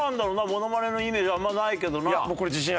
モノマネのイメージあんまないけどな。